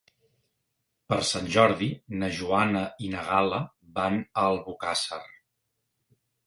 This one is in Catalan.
Per Sant Jordi na Joana i na Gal·la van a Albocàsser.